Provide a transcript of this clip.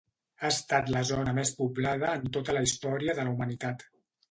Ha estat la zona més poblada en tota la història de la humanitat.